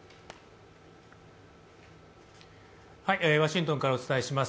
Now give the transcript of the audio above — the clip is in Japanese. ワシントンからお伝えします。